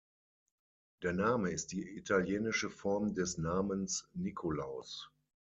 Der Name ist die italienische Form des Namens Nikolaus.